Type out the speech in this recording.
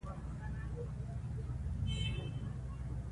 امیر شېرعلي خان رسمي چارې په پښتو کړې وې.